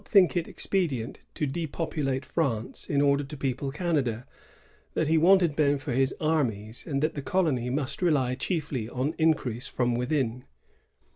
think it expedient to depopulate France in order to people Canada; that he wanted men for his armies; and that the colony must rely chiefly on increase from within.